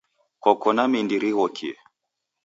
Koko na mindi righokie.